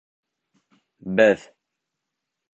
Беҙ!..